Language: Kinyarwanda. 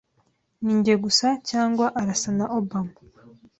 Ninjye gusa cyangwa arasa na Obama?